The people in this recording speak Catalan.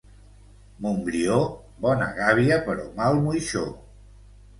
Montbrió, bona gàbia però mal moixó.